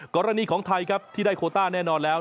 กรณีของไทยครับที่ได้โคต้าแน่นอนแล้ว